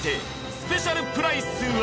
スペシャルプライスは？